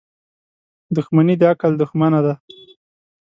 • دښمني د عقل دښمنه ده.